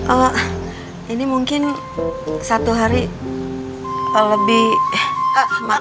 eh ini mungkin satu hari lebih